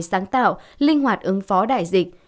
sáng tạo linh hoạt ứng phó đại dịch